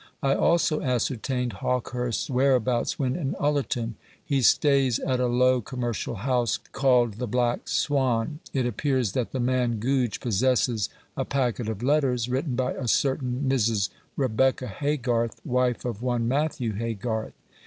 I also ascertained Hawkehurst's whereabouts when in Ullerton. He stays at a low commercial house called the Black Swan. It appears that the man Goodge possesses a packet of letters written by a certain Mrs. Rebecca Haygarth, wife of one Matthew Haygarth.